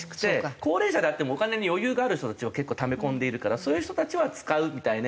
高齢者であってもお金に余裕がある人たちは結構ため込んでいるからそういう人たちは使うみたいに。